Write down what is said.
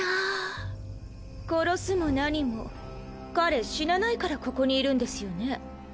殺すも何も彼死なないからここにいるんですよね？